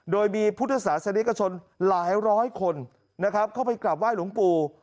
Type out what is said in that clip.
โดยมีพุทธศาสนิกชนหลายร้อยคนนะครับเข้าไปกลับไห้หลวงปู่